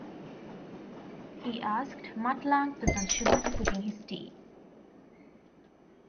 He asked Mutt Lange for some sugar to put in his tea.